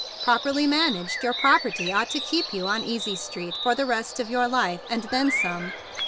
Prop¬ erly managed, your property ought to keep you on Easy Street for the rest of your life, and then some.